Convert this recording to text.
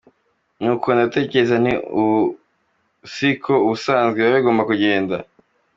Nuko ndatekereza nti, uku si ko ubusanzwe biba bigomba kugenda.